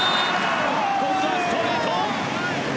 今度はストレート！